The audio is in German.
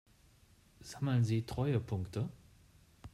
Sammeln Sie Treuepunkte?